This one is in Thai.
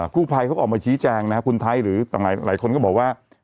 กู้ภัยก็ออกมาชี้แจงคุณไทยหรือหลายคนก็บอกว่า